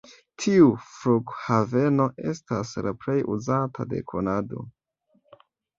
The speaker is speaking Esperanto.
Tiu flughaveno estas la plej uzata de Kanado.